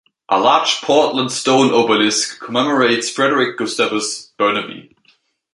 A large Portland stone obelisk commemorates Frederick Gustavus Burnaby.